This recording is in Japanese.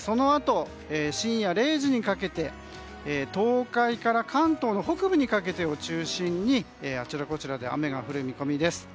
そのあと深夜０時にかけて東海から関東の北部にかけてを中心にあちらこちらで雨が降る見込みです。